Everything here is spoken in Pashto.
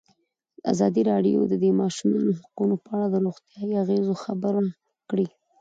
ازادي راډیو د د ماشومانو حقونه په اړه د روغتیایي اغېزو خبره کړې.